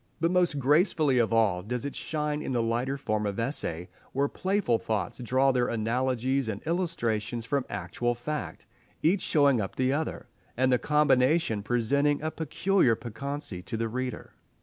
But most gracefully of all does it shine in the lighter form of essay, where playful thoughts draw their analogies and illustrations from actual fact, each showing up the other, and the combination presenting a peculiar piquancy to the reader.